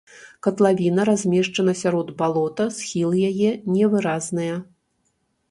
Катлавіна размешчана сярод балота, схілы яе невыразныя.